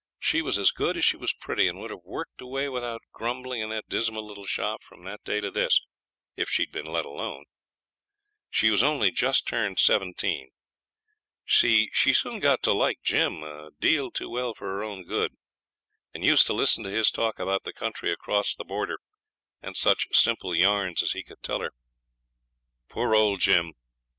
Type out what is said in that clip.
She was as good as she was pretty, and would have worked away without grumbling in that dismal little shop from that day to this, if she'd been let alone. She was only just turned seventeen. She soon got to like Jim a deal too well for her own good, and used to listen to his talk about the country across the border, and such simple yarns as he could tell her, poor old Jim!